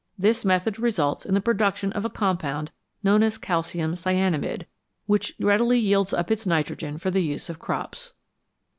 This method results in the production of a compound known as calcium cyanamide, which readily yields up its nitrogen for the use of crops.